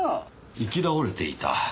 行き倒れていた？